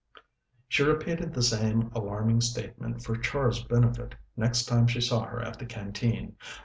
She repeated the same alarming statement for Char's benefit next time she saw her at the Canteen.